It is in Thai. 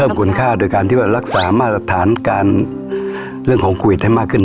คุณค่าโดยการที่ว่ารักษามาตรฐานการเรื่องของโควิดให้มากขึ้น